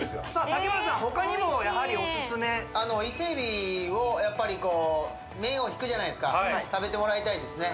竹村さん他にもやはりおすすめ伊勢海老をやっぱりこう目をひくじゃないですか食べてもらいたいですね